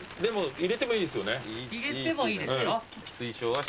入れてもいいですよ。